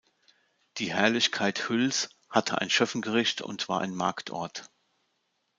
Die „Herrlichkeit Hüls“ hatte ein Schöffengericht und war ein Marktort.